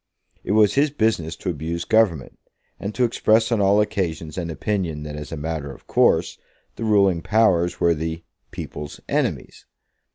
It was his business to abuse Government, and to express on all occasions an opinion that as a matter of course the ruling powers were the "people's enemies."